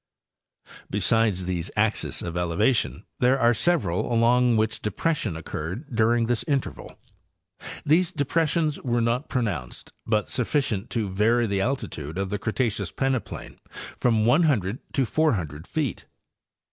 Besides these axes of elevation there are several along which depression occurred during this interval. These depressions were not pronounced, but sufficient to vary the altitude of the Cretaceous peneplain from 109 to 400 feet.